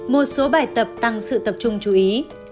một số bài tập tăng sự tập trung chú ý